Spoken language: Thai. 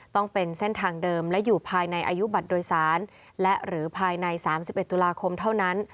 ต้องเป็นเส้นทางเดิมและอยู่ภายในอายุบัตรโดยสารและหรือภายใน๓๑ตุลาคมเท่านั้น